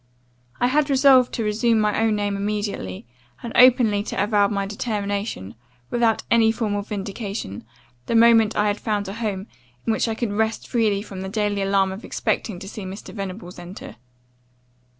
I had resolved to assume my own name immediately, and openly to avow my determination, without any formal vindication, the moment I had found a home, in which I could rest free from the daily alarm of expecting to see Mr. Venables enter.